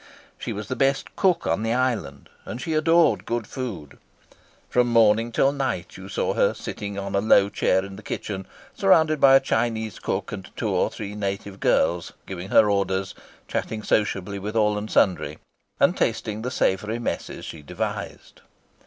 She was the best cook on the island, and she adored good food. From morning till night you saw her sitting on a low chair in the kitchen, surrounded by a Chinese cook and two or three native girls, giving her orders, chatting sociably with all and sundry, and tasting the savoury messes she devised.